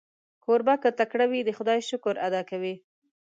کوربه که تکړه وي، د خدای شکر ادا کوي.